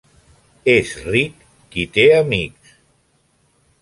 És ric qui té amics.